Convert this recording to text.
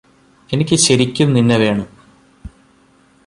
എനിക്ക് ശരിക്കും നിന്നെ വേണം